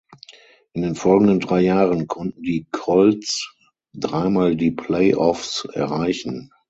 In den folgenden drei Jahren konnten die Colts dreimal die Playoffs erreichen.